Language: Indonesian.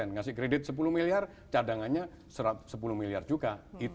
ngasih kredit sepuluh miliar cadangannya sepuluh miliar juga